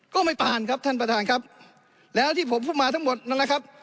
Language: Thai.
ก็ไม่ผ่านครับท่านประธานครับแล้วที่ผมพูดมาทั้งหมดนั่นแหละครับ